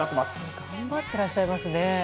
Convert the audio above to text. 頑張ってらっしゃいますね。